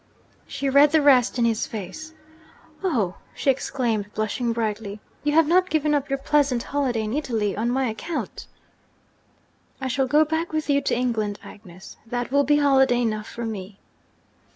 She read the rest in his face. 'Oh!' she exclaimed, blushing brightly, 'you have not given up your pleasant holiday in Italy on my account?' 'I shall go back with you to England, Agnes. That will be holiday enough for me.'